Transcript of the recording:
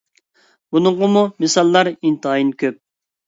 بۇنىڭغىمۇ مىساللار ئىنتايىن كۆپ.